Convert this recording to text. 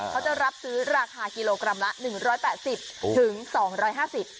เขาจะรับซื้อราคากิโลกรัมละหนึ่งร้อยแปดสิบถึงสองร้อยห้าสิบ